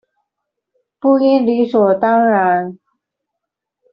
不應理所當然